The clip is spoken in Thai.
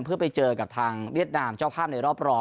เพื่อไปเจอกับทางเวียดนามเจ้าภาพในรอบรอง